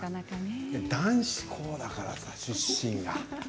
男子校やからさ、出身が。